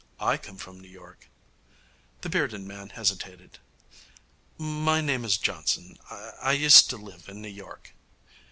'I come from New York.' The bearded man hesitated. 'My name is Johnson. I used to live in New York.'